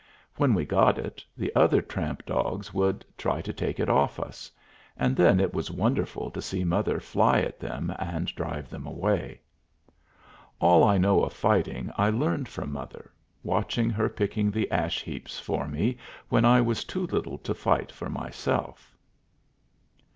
When we got it, the other tramp dogs would try to take it off us, and then it was wonderful to see mother fly at them and drive them away. All I know of fighting I learned from mother, watching her picking the ash heaps for me when I was too little to fight for myself.